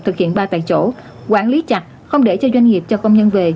thực hiện ba tại chỗ quản lý chặt không để cho doanh nghiệp cho công nhân về